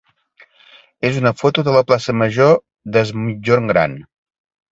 és una foto de la plaça major d'Es Migjorn Gran.